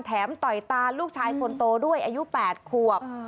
ต่อยตาลูกชายคนโตด้วยอายุ๘ขวบ